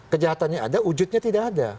kejahatannya ada wujudnya tidak ada